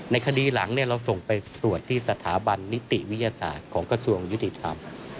ในคดีหลังเนี่ยเราส่งไปสลบที่สถาบันนิติวิทยาศาสตร์ของกสัวงยดิธรรม